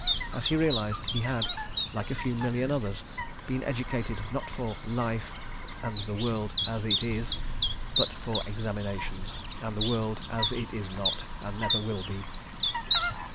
As he realised, he had, like a few million others, been educated not for Life and the World As It Is, but for examinations and the world as it is not, and never will be.